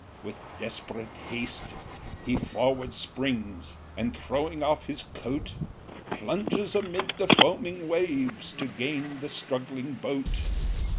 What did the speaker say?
With desperate haste he forward springs, And throwing off his coat, Plunges amid the foaming waves, To gain the struggling boat.